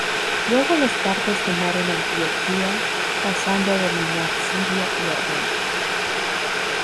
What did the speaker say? Luego los partos tomaron Antioquía, pasando a dominar Siria y Armenia.